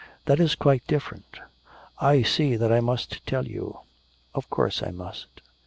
'That is quite different. I see that I must tell you of course I must.'